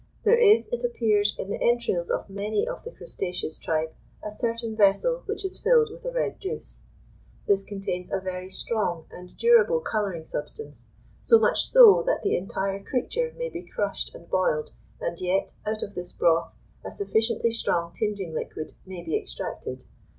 There is, it appears, in the entrails of many of the crustaceous tribe a certain vessel which is filled with a red juice; this contains a very strong and durable colouring substance, so much so that the entire creature may be crushed and boiled, and yet out of this broth a sufficiently strong tinging liquid may be extracted.